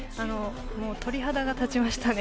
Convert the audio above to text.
鳥肌が立ちましたね。